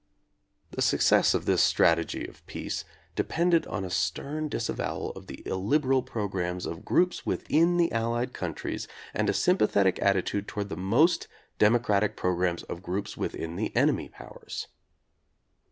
The success of this strategy of peace depended on a stern disavowal of the illiberal programmes of groups within the Allied countries and a sym pathetic attitude toward the most democratic pro grammes of groups within the enemy Powers.